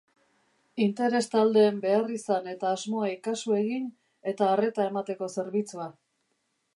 Interes-taldeen beharrizan eta asmoei kasu egin eta arreta emateko zerbitzua.